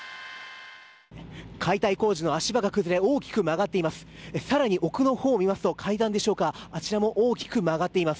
解体工事の足場が崩れ大きく曲がっています。